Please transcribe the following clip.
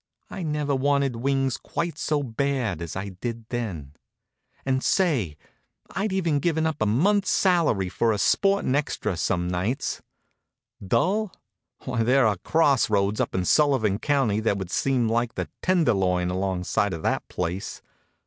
I never wanted wings quite so bad as I did then. And, say, I'd given up a month's salary for a sporting extra some nights. Dull? Why, there are crossroads up in Sullivan County that would seem like the Tenderloin alongside of that place.